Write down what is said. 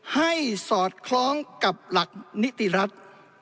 สอดคล้องกับหลักนิติรัฐ